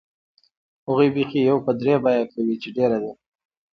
هغوی بیخي یو په درې بیه کوي چې ډېره ده.